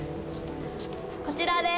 こちらです。